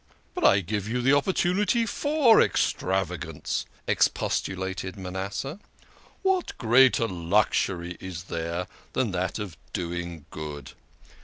" But I give you the opportunity for extravagance," ex postulated Manasseh. " What greater luxury is there than that of doing good